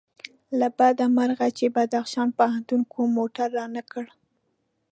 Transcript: له بده مرغه چې بدخشان پوهنتون کوم موټر رانه کړ.